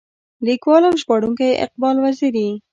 ليکوال او ژباړونکی اقبال وزيري.